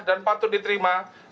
dan patut diterima